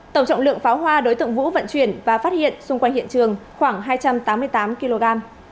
tổng trọng lượng pháo hoa đối tượng vũ vận chuyển và phát hiện xung quanh hiện trường khoảng hai trăm tám mươi tám kg